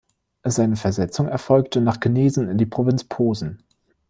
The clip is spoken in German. Seine Versetzung erfolgte nach Gnesen in die Provinz Posen.